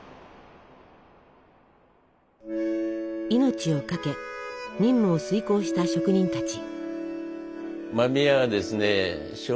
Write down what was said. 命を懸け任務を遂行した職人たち。